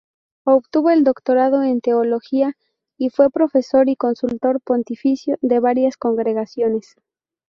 Obtuvo el doctorado en teología y fue profesor y consultor pontificio de varias congregaciones.